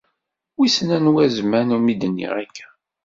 Wissen anwa zzman mi d-nniɣ akka.